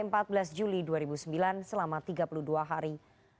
sementara untuk pilpres dua ribu sembilan masa kampanye dimulai tiga belas juni dua ribu sembilan